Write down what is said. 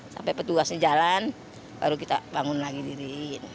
sampai petugasnya jalan baru kita bangun lagi diriin